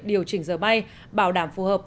điều chỉnh giờ bay bảo đảm phù hợp